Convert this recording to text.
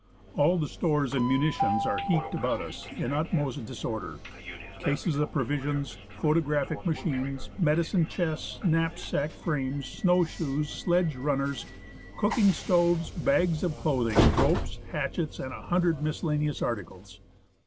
All the stores and munitions are heaped about us in the utmost dis order : cases of provisions, photographic machines, medicine chests, knapsack frames, snow shoes, sledge runners, cooking stoves, bags of clothing, ropes, hatchets, and a hundred miscellaneous articles.